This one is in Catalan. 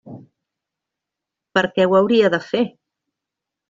Per què ho hauria de fer?